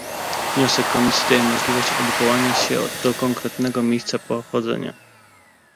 Wniosek Komisji daje możliwość odwołania się do konkretnego miejsca pochodzenia